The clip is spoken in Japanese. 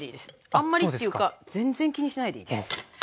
あんまりっていうか全然気にしないでいいです。